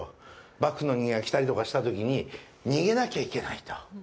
幕府の人間が来たりとかしたときに逃げなきゃいけないと。